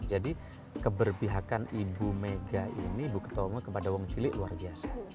jadi keberpihakan ibu mega ini bu ketua umum kepada uang cilik luar biasa